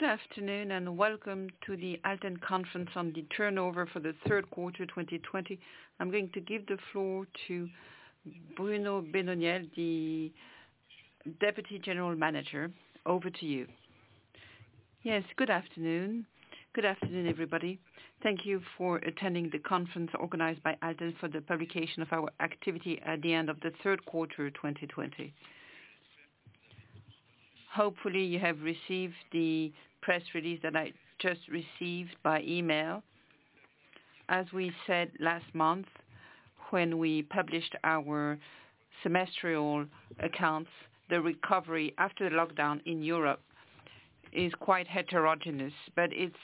Good afternoon, welcome to the Alten conference on the turnover for the third quarter 2020. I'm going to give the floor to Bruno Benoliel, the Deputy General Manager. Over to you. Good afternoon, everybody. Thank you for attending the conference organized by Alten for the publication of our activity at the end of the third quarter 2020. Hopefully, you have received the press release that I just received by email. As we said last month when we published our semestrial accounts, the recovery after the lockdown in Europe is quite heterogeneous, but it's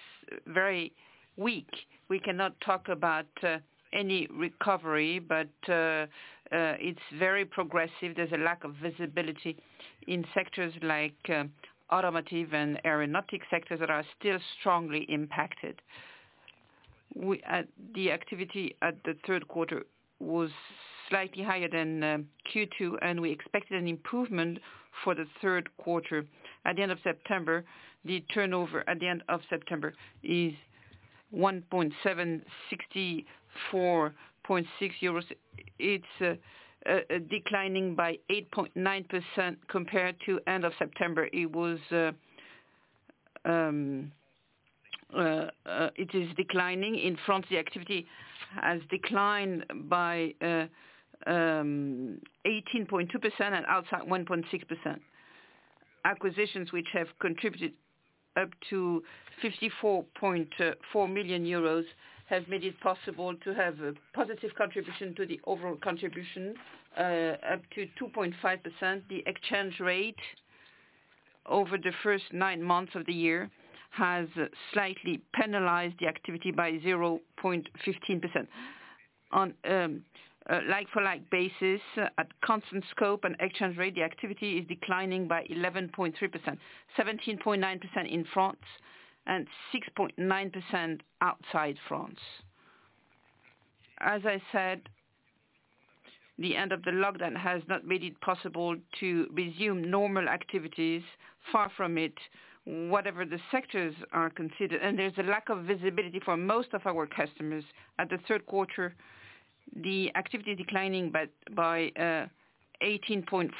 very weak. We cannot talk about any recovery, but it's very progressive. There's a lack of visibility in sectors like automotive and aeronautics sectors that are still strongly impacted. The activity at the third quarter was slightly higher than Q2, and we expected an improvement for the third quarter. At the end of September, the turnover at the end of September is 1,764.6 euros. It's declining by 8.9% compared to end of September. It is declining. In France, the activity has declined by 18.2% and outside 1.6%. Acquisitions which have contributed up to 54.4 million euros have made it possible to have a positive contribution to the overall contribution up to 2.5%. The exchange rate over the first nine months of the year has slightly penalized the activity by 0.15%. On like-for-like basis at constant scope and exchange rate, the activity is declining by 11.3%, 17.9% in France and 6.9% outside France. As I said, the end of the lockdown has not made it possible to resume normal activities, far from it, whatever the sectors are considered, and there's a lack of visibility for most of our customers. At the third quarter, the activity declining by 18.4%,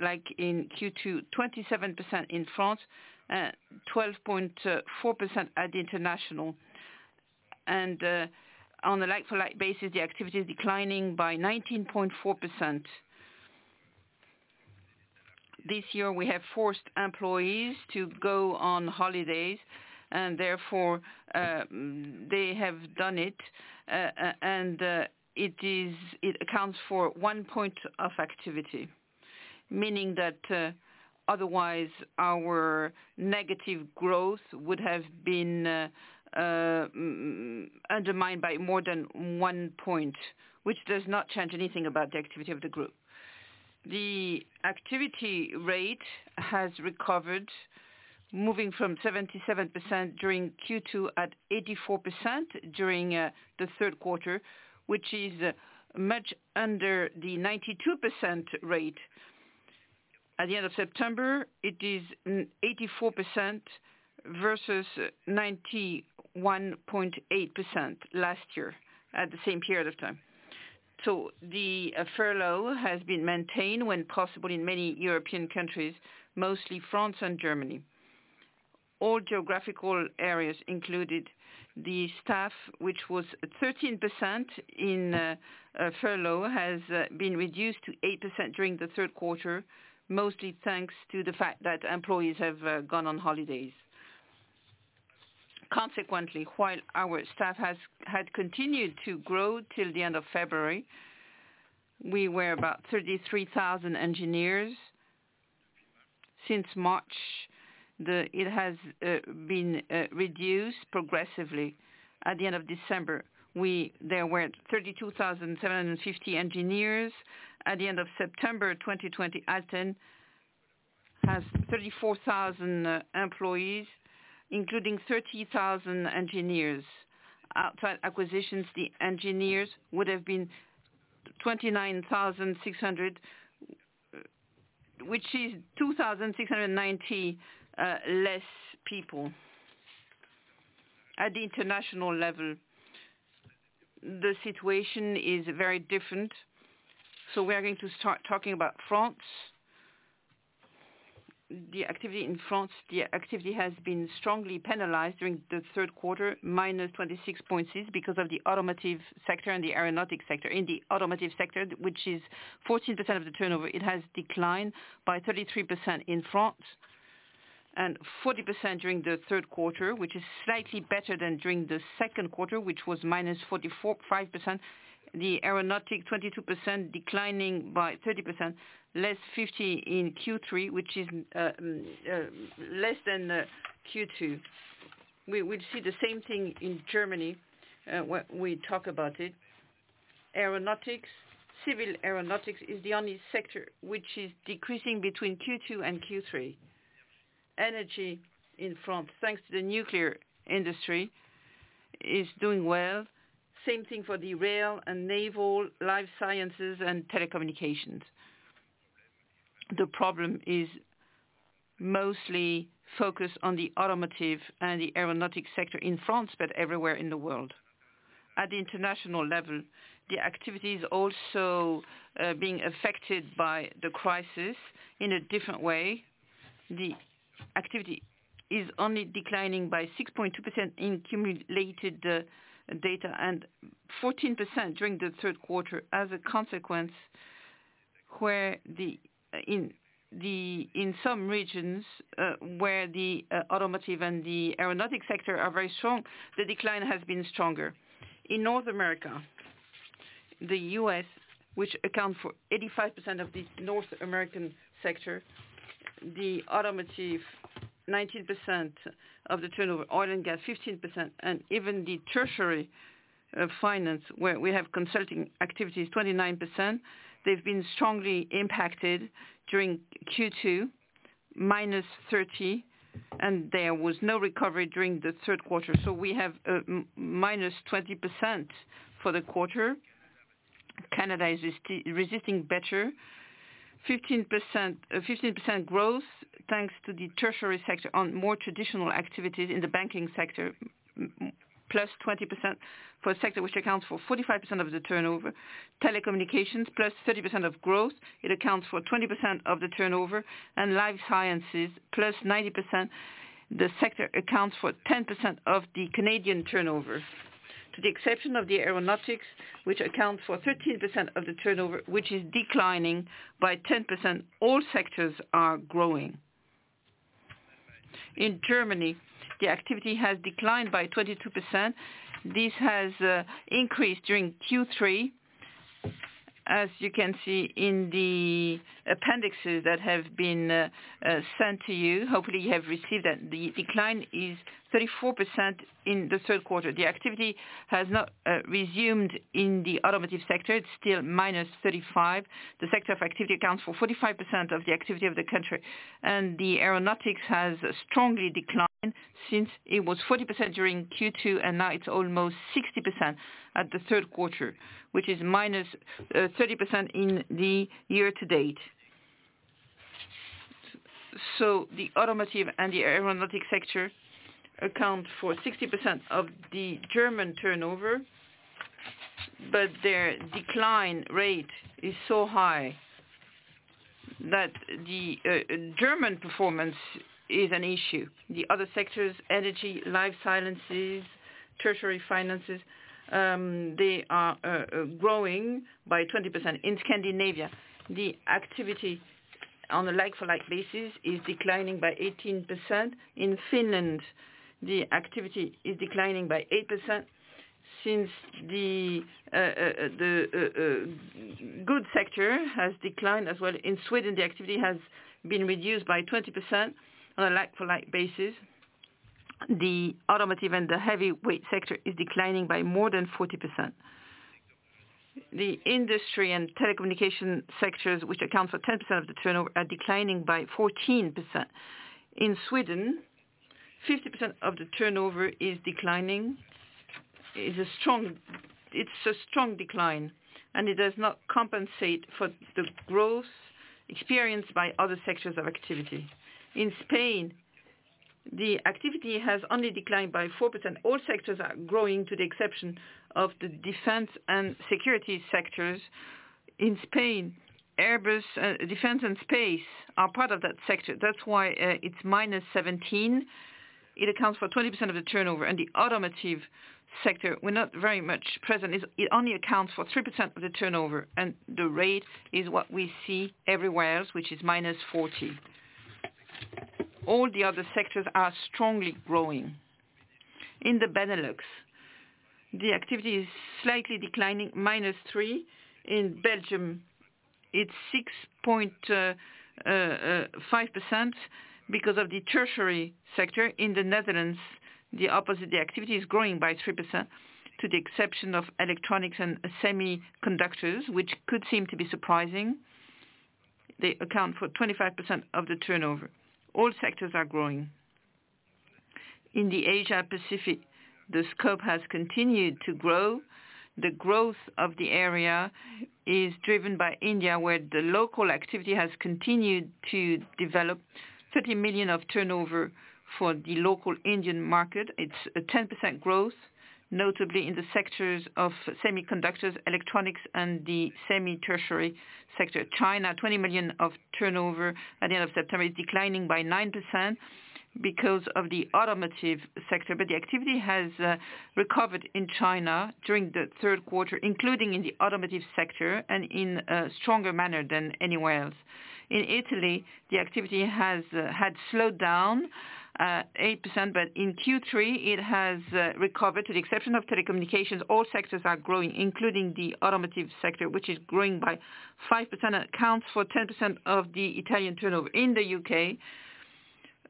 like in Q2, 27% in France, 12.4% at the international. On a like-for-like basis, the activity is declining by 19.4%. This year, we have forced employees to go on holidays, and therefore, they have done it. It accounts for one point of activity, meaning that, otherwise, our negative growth would have been undermined by more than one point, which does not change anything about the activity of the group. The activity rate has recovered, moving from 77% during Q2 at 84% during the third quarter, which is much under the 92% rate. At the end of September, it is 84% versus 91.8% last year at the same period of time. The furlough has been maintained when possible in many European countries, mostly France and Germany. All geographical areas included, the staff, which was at 13% in furlough, has been reduced to 8% during the third quarter, mostly thanks to the fact that employees have gone on holidays. While our staff had continued to grow till the end of February, we were about 33,000 engineers. Since March, it has been reduced progressively. At the end of December, there were 32,750 engineers. At the end of September 2020, Alten has 34,000 employees, including 30,000 engineers. Outside acquisitions, the engineers would have been 29,600, which is 2,690 less people. At the international level, the situation is very different. We are going to start talking about France. The activity in France has been strongly penalized during the third quarter, -26 points, because of the automotive sector and the aeronautics sector. In the automotive sector, which is 14% of the turnover, it has declined by 33% in France and 40% during the third quarter, which is slightly better than during the second quarter, which was -45%. The aeronautics, 22% declining by 30%, -50% in Q3, which is less than Q2. We'll see the same thing in Germany when we talk about it. Civil aeronautics is the only sector which is decreasing between Q2 and Q3. Energy in France, thanks to the nuclear industry, is doing well. Same thing for the rail and naval, life sciences, and telecommunications. The problem is mostly focused on the automotive and the aeronautics sector in France, but everywhere in the world. At the international level, the activity is also being affected by the crisis in a different way. The activity is only declining by 6.2% in cumulated data and 14% during the third quarter as a consequence, where in some regions where the automotive and the aeronautics sector are very strong, the decline has been stronger. In North America, the U.S., which accounts for 85% of the North American sector, the automotive 19% of the turnover, oil and gas 15%, and even the tertiary finance, where we have consulting activities, 29%. They've been strongly impacted during Q2, -30%, and there was no recovery during the third quarter. We have -20% for the quarter. Canada is resisting better. 15% growth, thanks to the tertiary sector on more traditional activities in the banking sector, +20% for a sector which accounts for 45% of the turnover. Telecommunications, +30% of growth, it accounts for 20% of the turnover, and life sciences, +90%. The sector accounts for 10% of the Canadian turnover. To the exception of the aeronautics, which accounts for 13% of the turnover, which is declining by 10%, all sectors are growing. In Germany, the activity has declined by 22%. This has increased during Q3, as you can see in the appendixes that have been sent to you. Hopefully, you have received that. The decline is 34% in the third quarter. The activity has not resumed in the automotive sector. It's still -35%. The sector of activity accounts for 45% of the activity of the country, the aeronautics has strongly declined since it was 40% during Q2, and now it's almost 60% at the third quarter, which is -30% in the year to date. The automotive and the aeronautics sector account for 60% of the German turnover, but their decline rate is so high that the German performance is an issue. The other sectors, energy, life sciences, tertiary finances, they are growing by 20%. In Scandinavia, the activity on a like-for-like basis is declining by 18%. In Finland, the activity is declining by 8% since the goods sector has declined as well. In Sweden, the activity has been reduced by 20% on a like-for-like basis. The automotive and the heavy vehicle sector is declining by more than 40%. The industry and telecommunication sectors, which accounts for 10% of the turnover, are declining by 14%. In Sweden, 50% of the turnover is declining. It's a strong decline, and it does not compensate for the growth experienced by other sectors of activity. In Spain, the activity has only declined by 4%. All sectors are growing to the exception of the defense and security sectors. In Spain, Airbus Defence and Space are part of that sector. That's why it's -17%. It accounts for 20% of the turnover. The automotive sector, we're not very much present. It only accounts for 3% of the turnover, and the rate is what we see everywhere else, which is -40%. All the other sectors are strongly growing. In the Benelux, the activity is slightly declining, -3%. In Belgium, it's 6.5% because of the tertiary sector. In the Netherlands, the opposite. The activity is growing by 3% to the exception of electronics and semiconductors, which could seem to be surprising. They account for 25% of the turnover. All sectors are growing. In the Asia-Pacific, the scope has continued to grow. The growth of the area is driven by India, where the local activity has continued to develop 30 million of turnover for the local Indian market. It's a 10% growth, notably in the sectors of semiconductors, electronics, and the semi-tertiary sector. China, 20 million of turnover at the end of September, is declining by 9% because of the automotive sector. The activity has recovered in China during the third quarter, including in the automotive sector and in a stronger manner than anywhere else. In Italy, the activity had slowed down 8%. In Q3, it has recovered. To the exception of telecommunications, all sectors are growing, including the automotive sector, which is growing by 5%. It accounts for 10% of the Italian turnover. In the U.K.,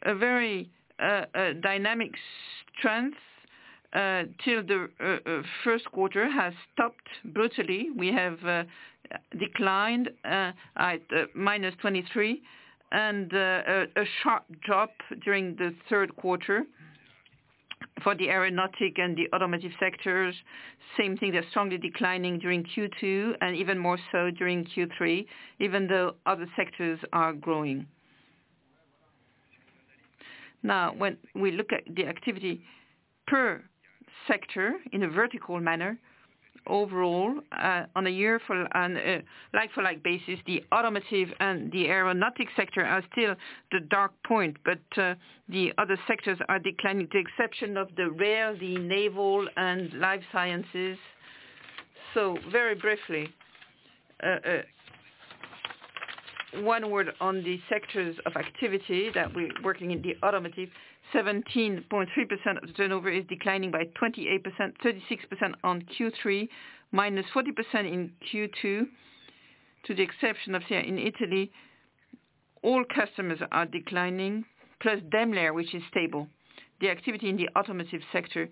a very dynamic strength till the first quarter has stopped brutally. We have declined at -23%, and a sharp drop during the third quarter for the aeronautic and the automotive sectors. Same thing, they are strongly declining during Q2 and even more so during Q3, even though other sectors are growing. When we look at the activity per sector in a vertical manner, overall on a like-for-like basis, the automotive and the aeronautic sector are still the dark point, but the other sectors are declining, with the exception of the rail, the naval, and life sciences. Very briefly, one word on the sectors of activity that we are working in the automotive, 17.3% of turnover is declining by 28%, 36% on Q3, -40% in Q2. To the exception of here in Italy, all customers are declining, plus Daimler, which is stable. The activity in the automotive sector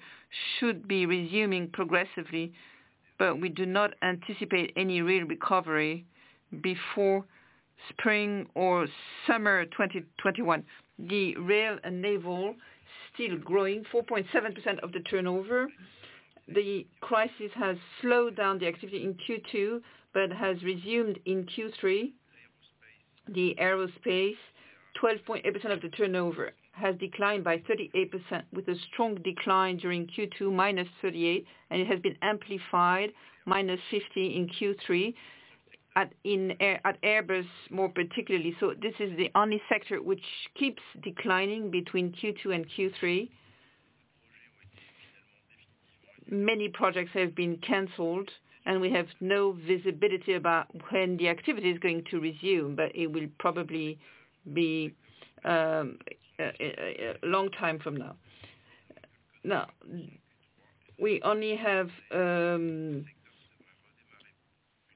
should be resuming progressively, but we do not anticipate any real recovery before spring or summer 2021. The rail and naval, still growing 4.7% of the turnover. The crisis has slowed down the activity in Q2, but has resumed in Q3. The aerospace, 12.8% of the turnover, has declined by 38% with a strong decline during Q2, -38%, and it has been amplified -50% in Q3 at Airbus more particularly. This is the only sector which keeps declining between Q2 and Q3. Many projects have been canceled, and we have no visibility about when the activity is going to resume, but it will probably be a long time from now. We only have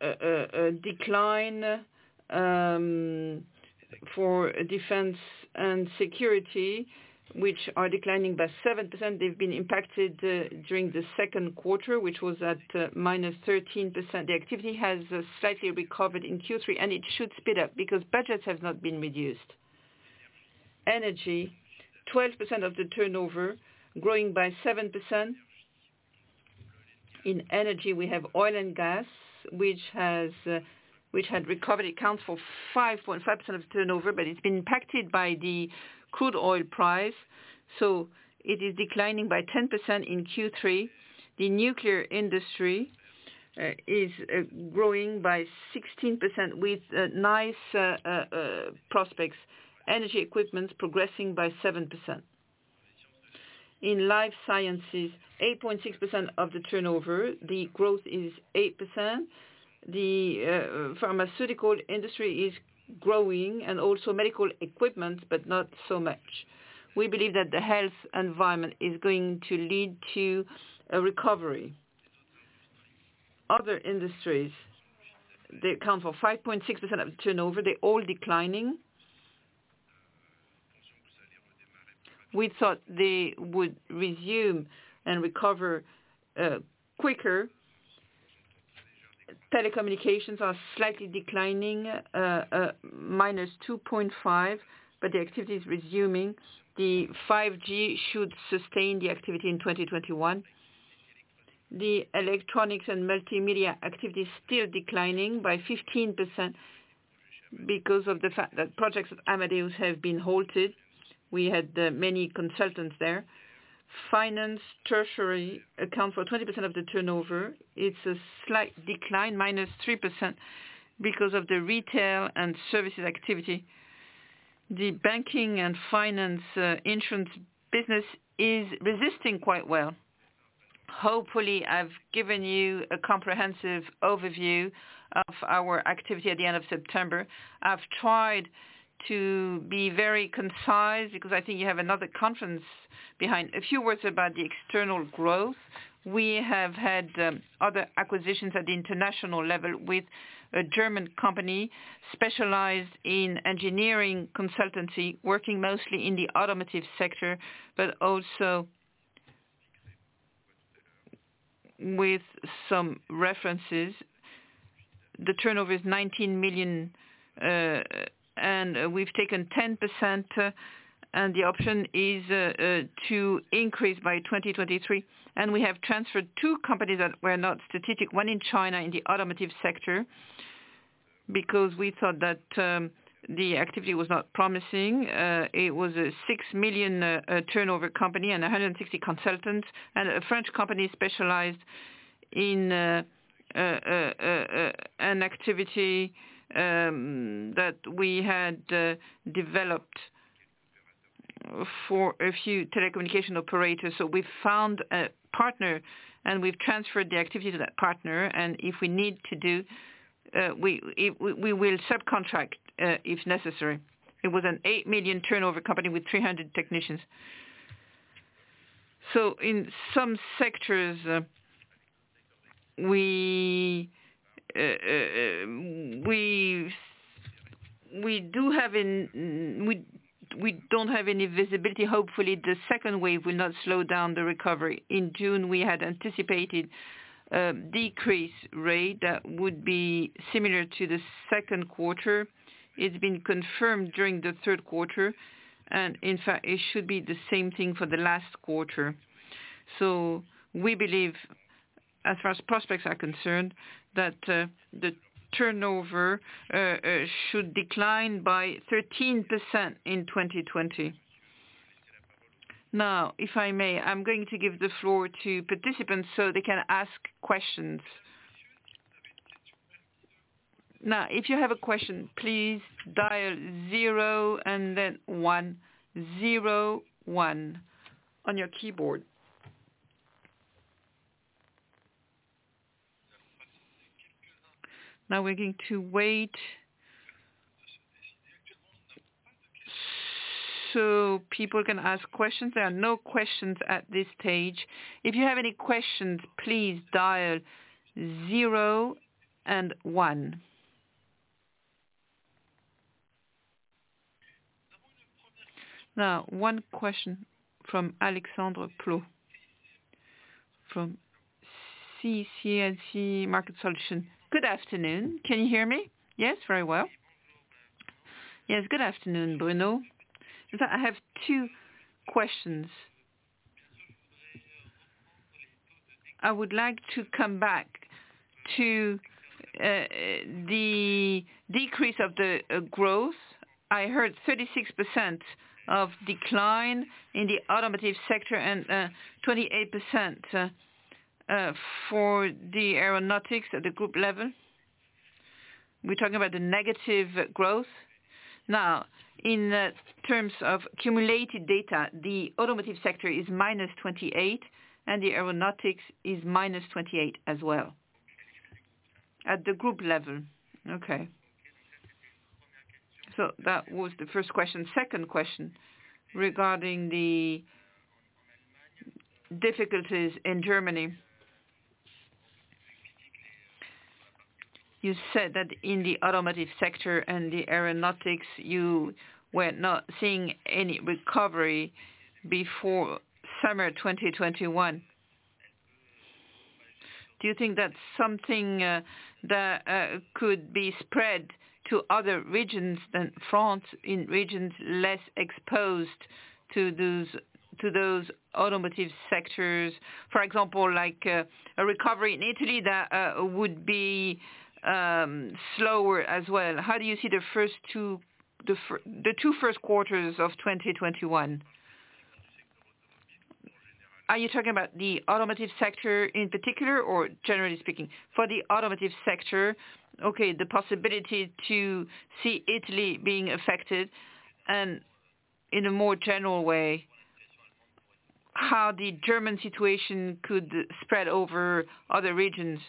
a decline for defense and security, which are declining by 7%. They've been impacted during the second quarter, which was at -13%. The activity has slightly recovered in Q3. It should speed up because budgets have not been reduced. Energy, 12% of the turnover, growing by 7%. In energy, we have oil and gas, which had recovered. It accounts for 5.5% of turnover. It's been impacted by the crude oil price. It is declining by 10% in Q3. The nuclear industry is growing by 16% with nice prospects. Energy equipment progressing by 7%. In life sciences, 8.6% of the turnover. The growth is 8%. The pharmaceutical industry is growing. Also medical equipment, not so much. We believe that the health environment is going to lead to a recovery. Other industries, they account for 5.6% of turnover. They're all declining. We thought they would resume and recover quicker. Telecommunications are slightly declining, -2.5%. The activity is resuming. The 5G should sustain the activity in 2021. The electronics and multimedia activity is still declining by 15% because of the fact that projects at Amadeus have been halted. We had many consultants there. Finance, treasury account for 20% of the turnover. It's a slight decline, -3%, because of the retail and services activity. The banking and finance insurance business is resisting quite well. Hopefully, I've given you a comprehensive overview of our activity at the end of September. I've tried to be very concise because I think you have another conference behind. A few words about the external growth. We have had other acquisitions at the international level with a German company specialized in engineering consultancy, working mostly in the automotive sector, but also with some references. The turnover is 19 million, and we've taken 10%, and the option is to increase by 2023. We have transferred two companies that were not strategic, one in China in the automotive sector because we thought that the activity was not promising. It was a 6 million turnover company and 160 consultants. A French company specialized in an activity that we had developed for a few telecommunication operators. We found a partner, and we've transferred the activity to that partner, and if we need to do, we will subcontract if necessary. It was an 8 million turnover company with 300 technicians. In some sectors, we don't have any visibility. Hopefully, the second wave will not slow down the recovery. In June, we had anticipated a decrease rate that would be similar to the second quarter. It's been confirmed during the third quarter, and in fact, it should be the same thing for the last quarter. We believe, as far as prospects are concerned, that the turnover should decline by 13% in 2020. If I may, I'm going to give the floor to participants so they can ask questions. If you have a question, please dial zero and then one. Zero, one on your keyboard. We're going to wait so people can ask questions. There are no questions at this stage. If you have any questions, please dial zero and one. One question from Alexandre Plot from CIC Market Solutions. Good afternoon. Can you hear me? Yes, very well. Yes. Good afternoon, Bruno. In fact, I have two questions. I would like to come back to the decrease of the growth. I heard 36% of decline in the automotive sector and 28% for the aeronautics at the group level. We're talking about the negative growth. In terms of cumulative data, the automotive sector is -28%, and the aeronautics is -28% as well at the group level. That was the first question. Second question, regarding the difficulties in Germany. You said that in the automotive sector and the aeronautics, you were not seeing any recovery before summer 2021. Do you think that's something that could be spread to other regions than France, in regions less exposed to those automotive sectors, for example, like a recovery in Italy that would be slower as well? How do you see the two first quarters of 2021? Are you talking about the automotive sector in particular, or generally speaking? For the automotive sector. The possibility to see Italy being affected and, in a more general way, how the German situation could spread over other regions.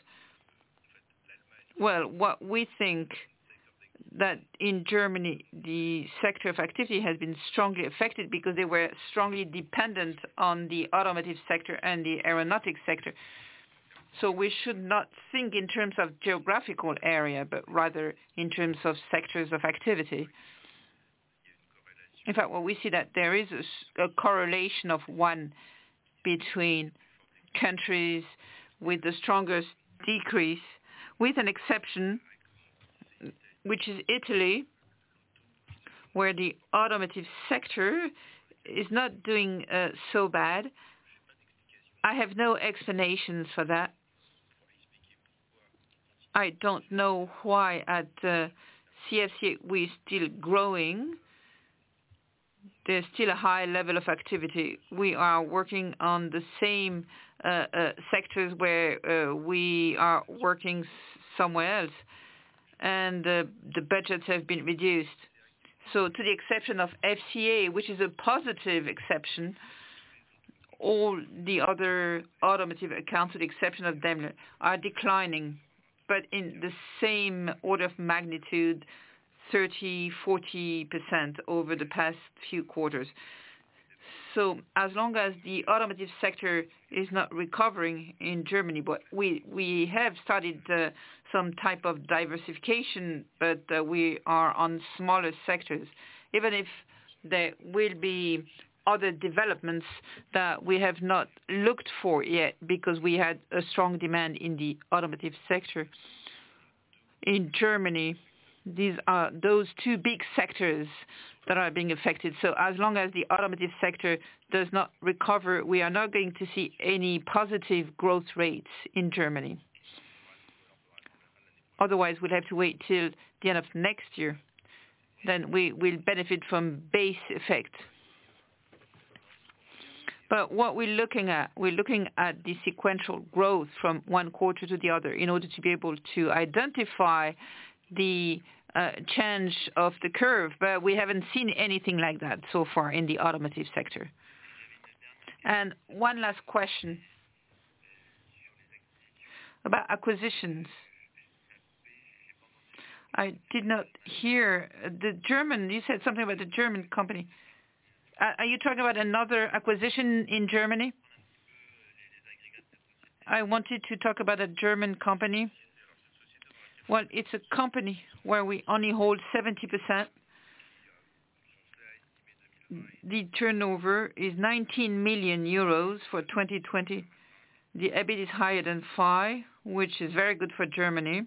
Well, what we think, that in Germany, the sector of activity has been strongly affected because they were strongly dependent on the automotive sector and the aeronautics sector. We should not think in terms of geographical area, but rather in terms of sectors of activity. In fact, what we see that there is a correlation of one between countries with the strongest decrease, with an exception, which is Italy, where the automotive sector is not doing so bad. I have no explanations for that. I don't know why at CSA we're still growing. There's still a high level of activity. We are working on the same sectors where we are working somewhere else, and the budgets have been reduced. To the exception of FCA, which is a positive exception, all the other automotive accounts, with the exception of Daimler, are declining, but in the same order of magnitude, 30%-40% over the past few quarters. As long as the automotive sector is not recovering in Germany, but we have started some type of diversification, but we are on smaller sectors, even if there will be other developments that we have not looked for yet because we had a strong demand in the automotive sector. In Germany, those are two big sectors that are being affected. As long as the automotive sector does not recover, we are not going to see any positive growth rates in Germany. Otherwise, we'll have to wait till the end of next year, then we'll benefit from base effect. What we're looking at, we're looking at the sequential growth from one quarter to the other in order to be able to identify the change of the curve. We haven't seen anything like that so far in the automotive sector. One last question about acquisitions. I did not hear. You said something about the German company. Are you talking about another acquisition in Germany? I wanted to talk about a German company. It's a company where we only hold 70%. The turnover is 19 million euros for 2020. The EBIT is higher than five, which is very good for Germany.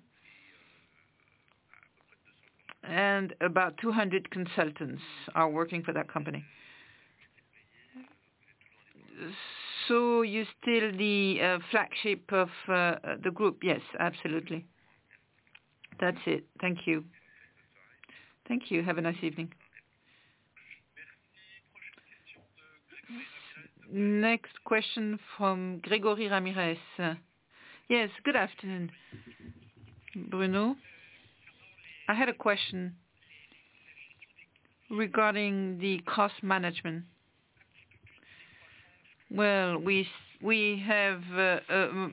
About 200 consultants are working for that company. You're still the flagship of the group? Yes, absolutely. That's it. Thank you. Thank you. Have a nice evening. Next question from Gregory Ramirez. Yes, good afternoon. Bruno, I had a question regarding the cost management. We have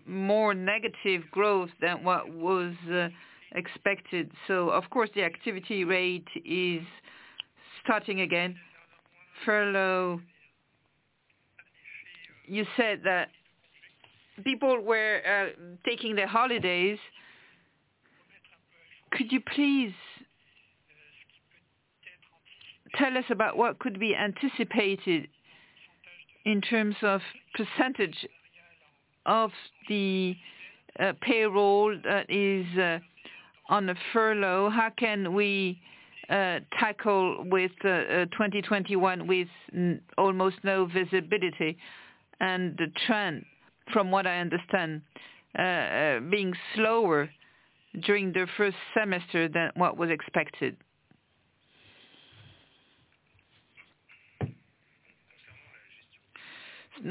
more negative growth than what was expected. Of course, the activity rate is starting again. Furlough, you said that people were taking their holidays. Could you please tell us about what could be anticipated in terms of % of the payroll that is on a furlough? How can we tackle with 2021 with almost no visibility and the trend, from what I understand, being slower during the first semester than what was expected?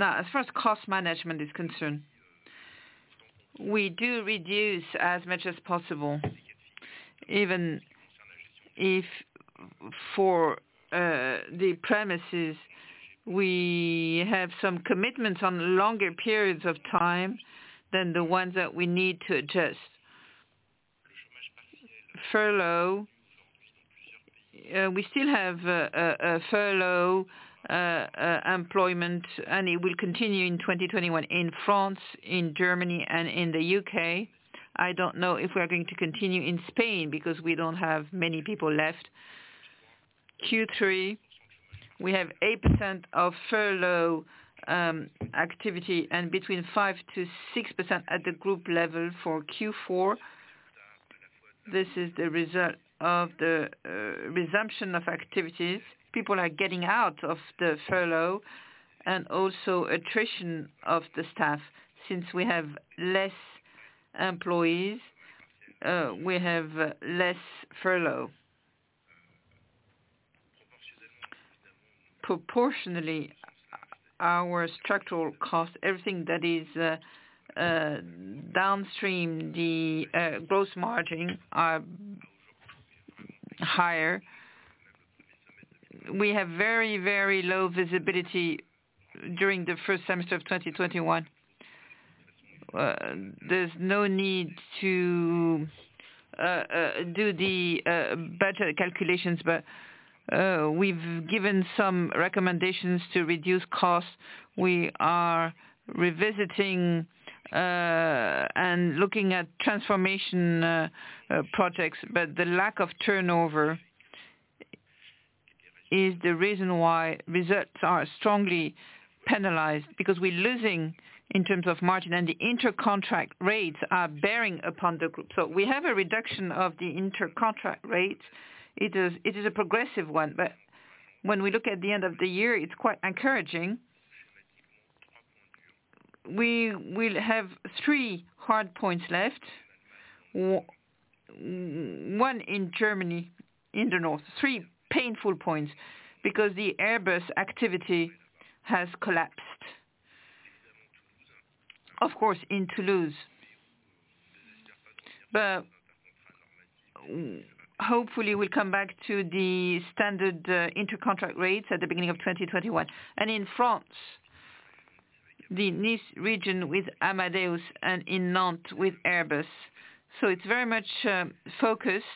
As far as cost management is concerned, we do reduce as much as possible, even if for the premises, we have some commitments on longer periods of time than the ones that we need to adjust. Furlough, we still have furlough employment, and it will continue in 2021 in France, in Germany, and in the U.K. I don't know if we're going to continue in Spain because we don't have many people left. Q3, we have 8% of furlough activity and 5%-6% at the group level for Q4. This is the result of the resumption of activities. People are getting out of the furlough and also attrition of the staff. Since we have less employees, we have less furlough. Proportionally, our structural cost, everything that is downstream, the gross margin are higher. We have very, very low visibility during the first semester of 2021. There's no need to do the better calculations, but we've given some recommendations to reduce costs. We are revisiting and looking at transformation projects, but the lack of turnover is the reason why results are strongly penalized, because we're losing in terms of margin and the inter-contract rates are bearing upon the group. We have a reduction of the inter-contract rates. It is a progressive one, but when we look at the end of the year, it's quite encouraging. We will have three hard points left, one in Germany, in the north. Three painful points because the Airbus activity has collapsed, of course, in Toulouse. Hopefully, we'll come back to the standard inter-contract rates at the beginning of 2021. In France, the Nice region with Amadeus and in Nantes with Airbus. It's very much focused.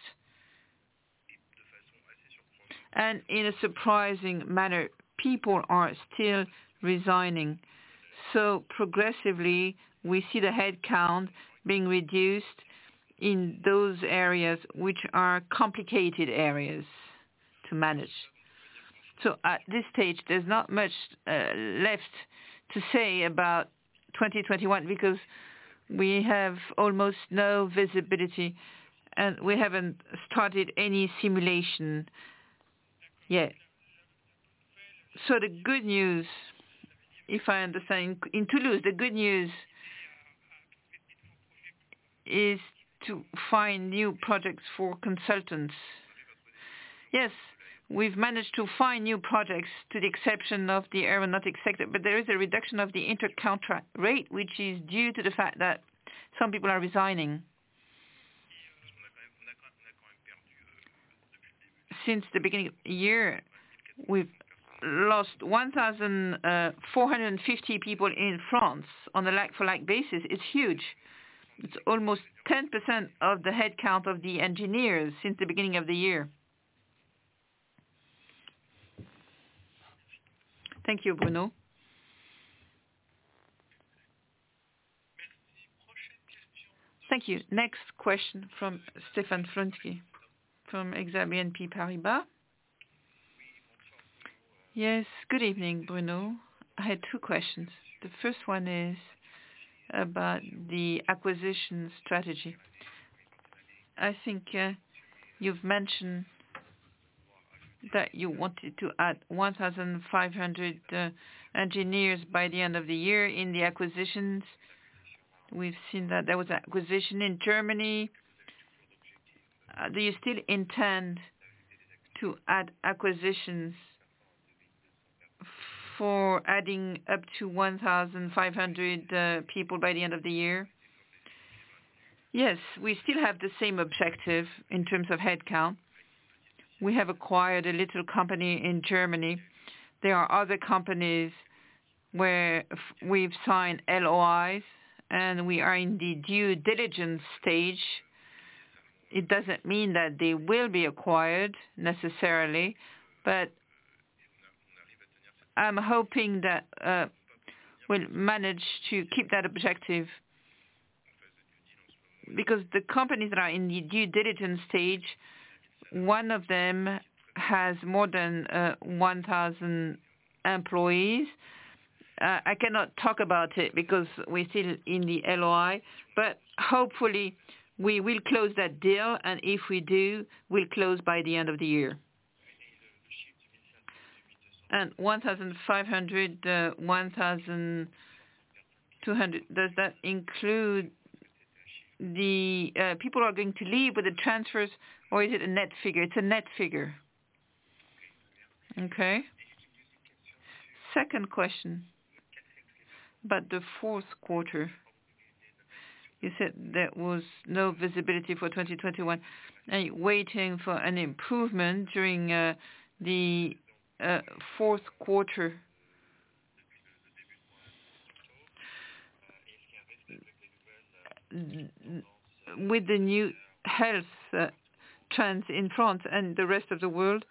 In a surprising manner, people are still resigning. Progressively, we see the headcount being reduced in those areas which are complicated areas to manage. At this stage, there's not much left to say about 2021 because we have almost no visibility, and we haven't started any simulation yet. The good news, if I understand, in Toulouse, the good news is to find new projects for consultants. Yes, we've managed to find new projects to the exception of the aeronautics sector, but there is a reduction of the inter-contract rate, which is due to the fact that some people are resigning. Since the beginning of the year, we've lost 1,450 people in France on a like-for-like basis. It's huge. It's almost 10% of the headcount of the engineers since the beginning of the year. Thank you, Bruno. Thank you. Next question from Stéphane Fraenkel from Exane BNP Paribas. Yes. Good evening, Bruno. I had two questions. The first one is about the acquisition strategy. I think you've mentioned that you wanted to add 1,500 engineers by the end of the year in the acquisitions. We've seen that there was an acquisition in Germany. Do you still intend to add acquisitions for adding up to 1,500 people by the end of the year? Yes, we still have the same objective in terms of headcount. We have acquired a little company in Germany. There are other companies where we've signed LOIs, and we are in the due diligence stage. It doesn't mean that they will be acquired necessarily, but I'm hoping that we'll manage to keep that objective. The companies that are in the due diligence stage, one of them has more than 1,000 employees. I cannot talk about it because we're still in the LOI, but hopefully we will close that deal, and if we do, we'll close by the end of the year. 1,500, 1,200, does that include the people who are going to leave with the transfers, or is it a net figure? It's a net figure. Okay. Second question about the fourth quarter. You said there was no visibility for 2021, are you waiting for an improvement during the fourth quarter? With the new health trends in France and the rest of the world,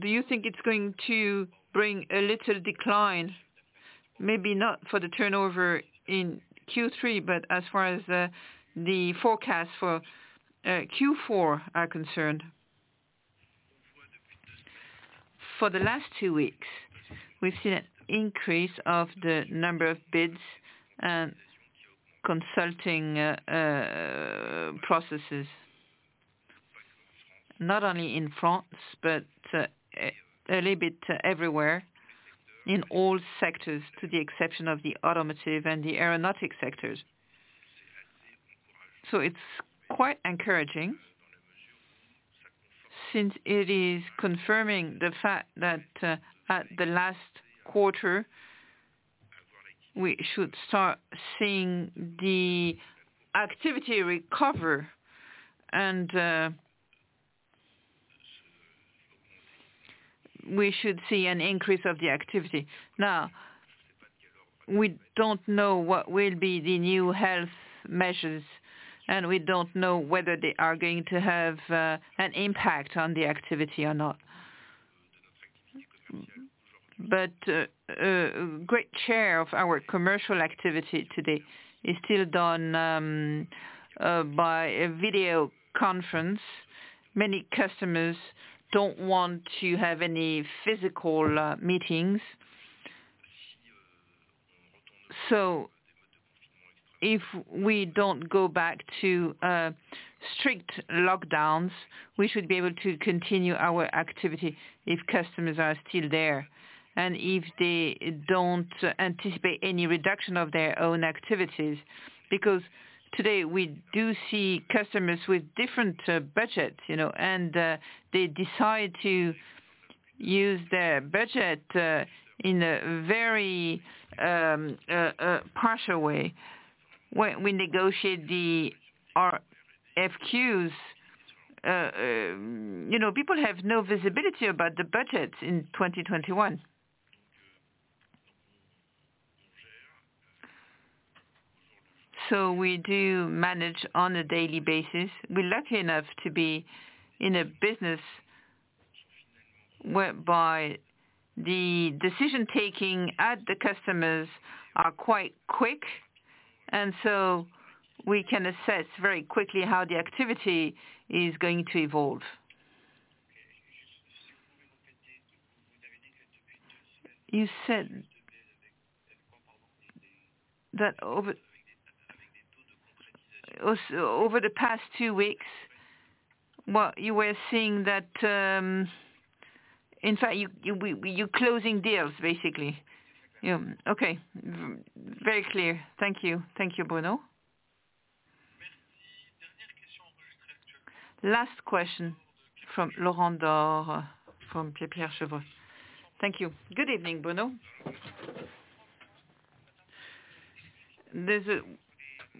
do you think it's going to bring a little decline, maybe not for the turnover in Q3, but as far as the forecasts for Q4 are concerned? For the last two weeks, we've seen an increase of the number of bids and consulting processes, not only in France, but a little bit everywhere, in all sectors to the exception of the automotive and the aeronautics sectors. It's quite encouraging since it is confirming the fact that at the last quarter, we should start seeing the activity recover, and we should see an increase of the activity. We don't know what will be the new health measures, and we don't know whether they are going to have an impact on the activity or not. A great share of our commercial activity today is still done by video conference. Many customers don't want to have any physical meetings. If we don't go back to strict lockdowns, we should be able to continue our activity if customers are still there, and if they don't anticipate any reduction of their own activities. Today we do see customers with different budgets, and they decide to use their budget in a very partial way. When we negotiate the RFQs, people have no visibility about the budget in 2021. We do manage on a daily basis. We're lucky enough to be in a business whereby the decision-taking at the customers are quite quick, and so we can assess very quickly how the activity is going to evolve. You said that over the past two weeks, well, you were seeing in fact, you're closing deals, basically. Okay. Very clear. Thank you, Bruno. Last question from Laurent Daure from Pierre Chevallier. Thank you. Good evening, Bruno. There's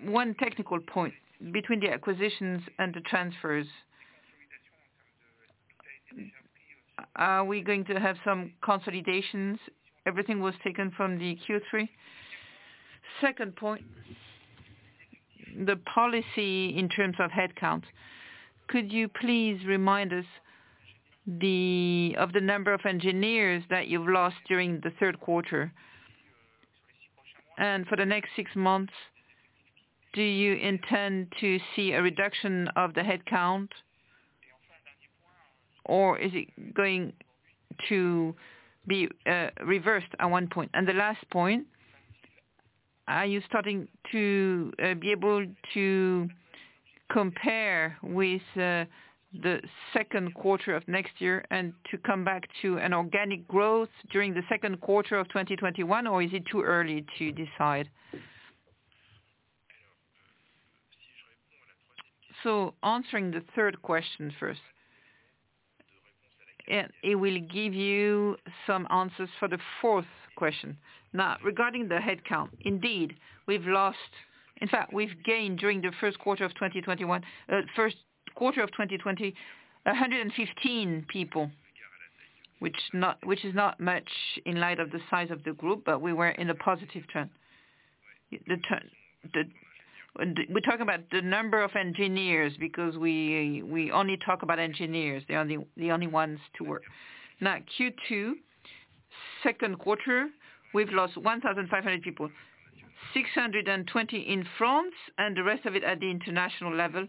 one technical point between the acquisitions and the transfers. Are we going to have some consolidations? Everything was taken from the Q3. Second point. The policy in terms of headcount, could you please remind us of the number of engineers that you've lost during the third quarter? For the next six months, do you intend to see a reduction of the headcount? Or is it going to be reversed at one point? The last point, are you starting to be able to compare with the second quarter of next year and to come back to an organic growth during the second quarter of 2021? Or is it too early to decide? Answering the third question first, and it will give you some answers for the fourth question. Regarding the headcount, indeed, we've lost. In fact, we've gained during the first quarter of 2020, 115 people, which is not much in light of the size of the group, but we were in a positive trend. We're talking about the number of engineers because we only talk about engineers. They're the only ones to work. Q2, second quarter, we've lost 1,500 people, 620 in France, and the rest of it at the international level.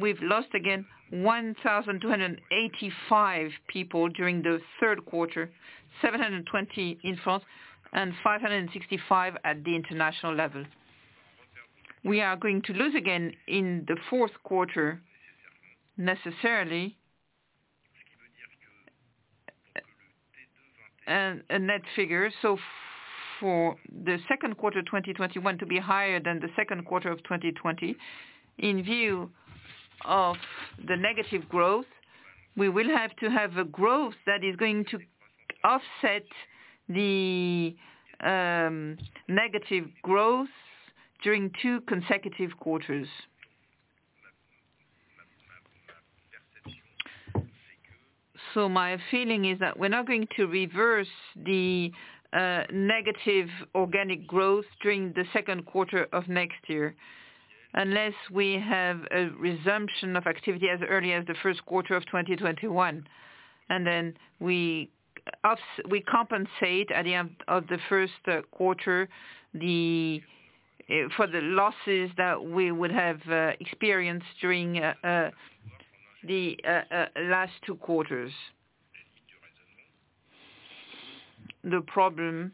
We've lost again 1,285 people during the third quarter, 720 in France, and 565 at the international level. We are going to lose again in the fourth quarter, necessarily. A net figure. For the second quarter 2021 to be higher than the second quarter of 2020, in view of the negative growth, we will have to have a growth that is going to offset the negative growth during two consecutive quarters. My feeling is that we're now going to reverse the negative organic growth during the second quarter of next year, unless we have a resumption of activity as early as the first quarter of 2021. We compensate at the end of the first quarter for the losses that we would have experienced during the last two quarters. The problem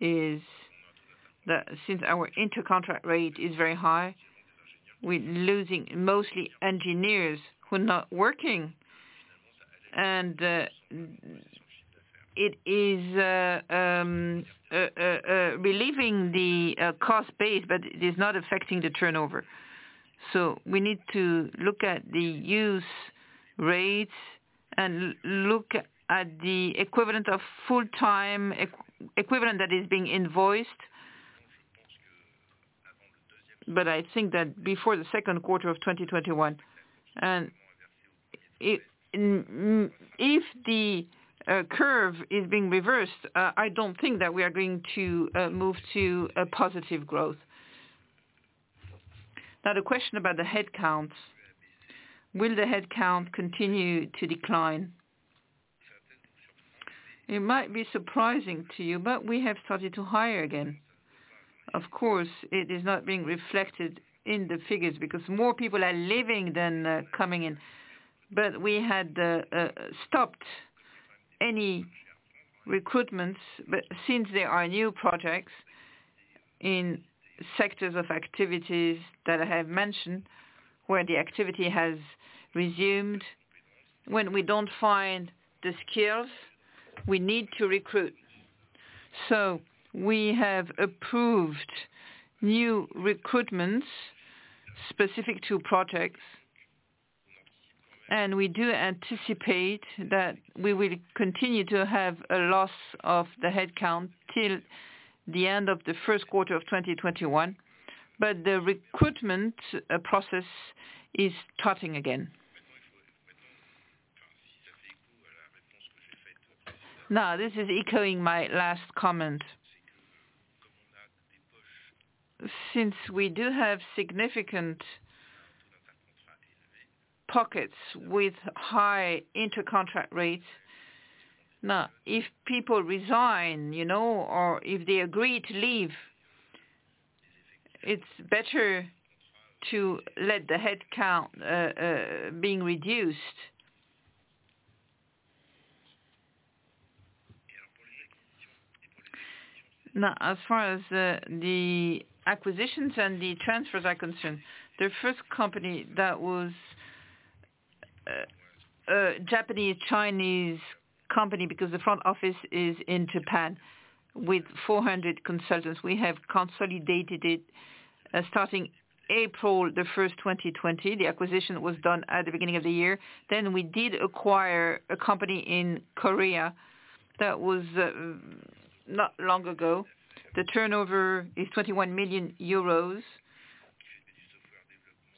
is that since our inter-contract rate is very high, we're losing mostly engineers who are not working, and it is relieving the cost base, but it is not affecting the turnover. We need to look at the use rates and look at the equivalent of full-time equivalent that is being invoiced. I think that before the second quarter of 2021, and if the curve is being reversed, I don't think that we are going to move to a positive growth. The question about the headcount. Will the headcount continue to decline? It might be surprising to you, we have started to hire again. Of course, it is not being reflected in the figures because more people are leaving than coming in. We had stopped any recruitments. Since there are new projects in sectors of activities that I have mentioned, where the activity has resumed, when we don't find the skills, we need to recruit. We have approved new recruitments specific to projects, and we do anticipate that we will continue to have a loss of the headcount till the end of the first quarter of 2021. The recruitment process is starting again. This is echoing my last comment. Since we do have significant pockets with high inter-contract rates, if people resign, or if they agree to leave, it's better to let the headcount being reduced. As far as the acquisitions and the transfers are concerned, the first company that was a Japanese-Chinese company because the front office is in Japan with 400 consultants. We have consolidated it starting April the 1st, 2020. The acquisition was done at the beginning of the year. We did acquire a company in Korea that was not long ago. The turnover is 21 million euros.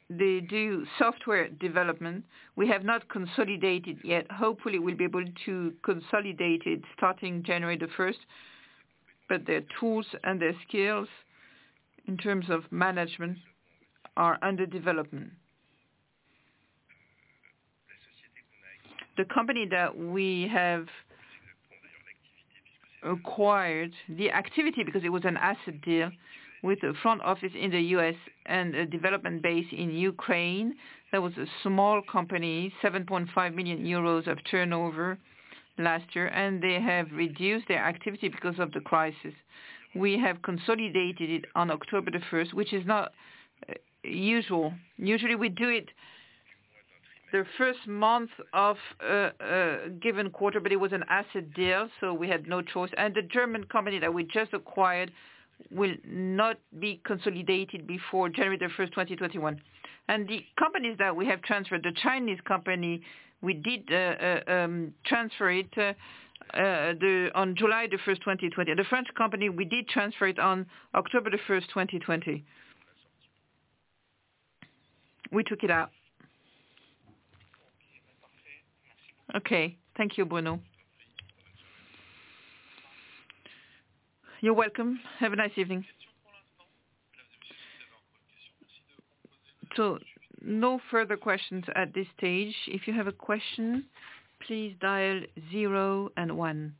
They do software development. We have not consolidated yet. Hopefully, we'll be able to consolidate it starting January the 1st, their tools and their skills in terms of management are under development. The company that we have acquired, the activity, because it was an asset deal with a front office in the U.S. and a development base in Ukraine. That was a small company, 7.5 million euros of turnover last year, they have reduced their activity because of the crisis. We have consolidated it on October the 1st, which is not usual. Usually, we do it the first month of a given quarter, it was an asset deal, we had no choice. The German company that we just acquired will not be consolidated before January the 1st, 2021. The companies that we have transferred, the Chinese company, we did transfer it on July the 1st, 2020. The French company, we did transfer it on October the 1st, 2020. We took it out. Okay. Thank you, Bruno. You're welcome. Have a nice evening. No further questions at this stage. If you have a question, please dial zero and one.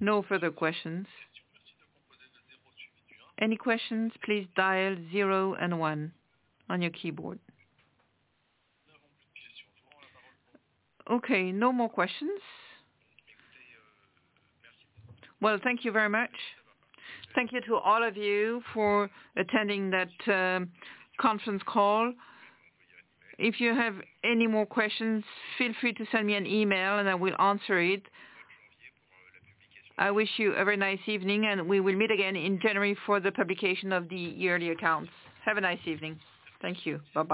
No further questions. Any questions, please dial zero and one on your keyboard. Okay. No more questions. Thank you very much. Thank you to all of you for attending that conference call. If you have any more questions, feel free to send me an email, and I will answer it. I wish you a very nice evening, and we will meet again in January for the publication of the yearly accounts. Have a nice evening. Thank you. Bye-bye.